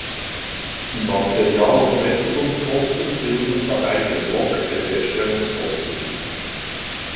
Die Material- und Fertigungskosten bilden dabei den Block der Herstellkosten.